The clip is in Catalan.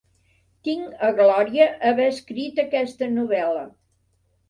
Tinc a glòria haver escrit aquesta novel·la.